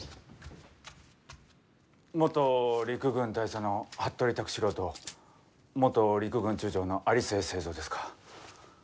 元陸軍大佐の服部卓四郎と元陸軍中将の有末精三ですか。